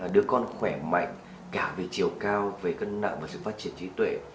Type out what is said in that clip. đứa con khỏe mạnh cả về chiều cao về cân nặng và sự phát triển trí tuệ